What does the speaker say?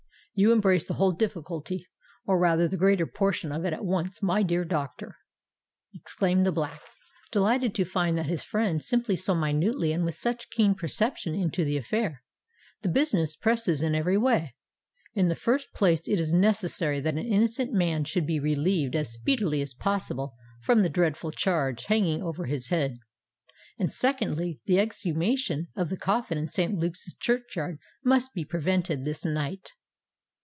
"You embrace the whole difficulty—or rather the greater portion of it at once, my dear doctor," exclaimed the Black, delighted to find that his friend entered so minutely and with such keen perception into the affair. "The business presses in every way. In the first place, it is necessary that an innocent man should be relieved as speedily as possible from the dreadful charge hanging over his head; and secondly, the exhumation of the coffin in Saint Luke's churchyard must be prevented this night."